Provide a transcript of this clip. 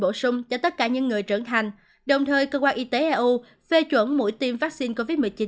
bổ sung cho tất cả những người trưởng thành đồng thời cơ quan y tế eu phê chuẩn mũi tiêm vaccine covid một mươi chín